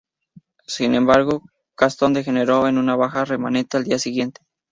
Sin embargo, Gaston degeneró en una baja remanente al día siguiente.